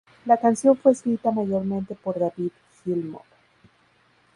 La canción fue escrita mayormente por David Gilmour.